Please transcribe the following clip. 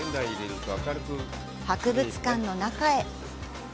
博物館の中へ。